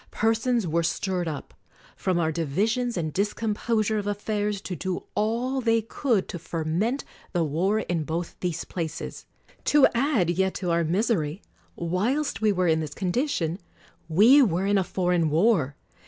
Persons were stirred up, from our divisions and discom posure of affairs, to do all they could to ferment the war in both these places. To add yet to our misery, whilst we were in this condition, we were in a foreign war.